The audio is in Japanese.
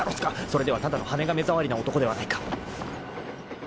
［それではただの羽が目障りな男ではないか］